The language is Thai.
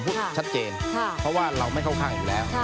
ชัดเจนเพราะว่าเราไม่เข้าข้างอยู่แล้ว